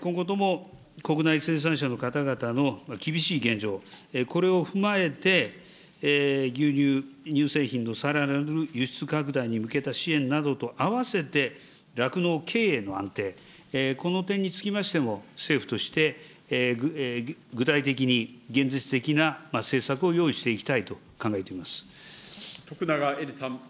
今後とも国内生産者の方々の厳しい現状、これを踏まえて、牛乳、乳製品のさらなる輸出拡大に向けた支援などとあわせて、酪農経営の安定、この点につきましても、政府として具体的に現実的な政策を用意していきたいと考えていま徳永エリさん。